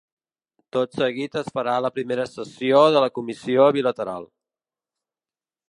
Tot seguit es farà la primera sessió de la comissió bilateral.